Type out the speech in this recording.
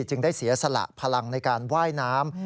จึงได้เสียสละพลังในการว่ายน้ำ